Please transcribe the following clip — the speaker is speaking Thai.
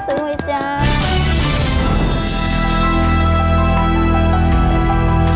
ทุกวันเย็นทุกวันเย็น